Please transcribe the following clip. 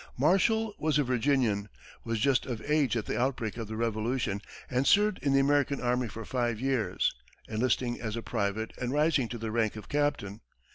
Marshall was a Virginian, was just of age at the outbreak of the Revolution, and served in the American army for five years, enlisting as a private and rising to the rank of captain.